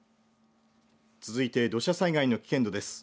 続いて土砂災害の危険度です。